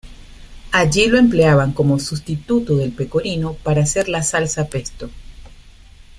Allí lo empleaban como sustituto del pecorino para hacer la salsa pesto.